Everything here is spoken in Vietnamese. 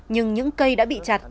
nhưng những cây đã bị chặt